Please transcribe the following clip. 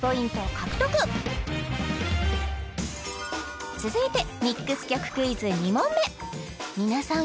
獲得続いてミックス曲クイズ２問目皆さん